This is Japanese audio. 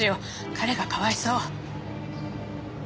彼がかわいそう。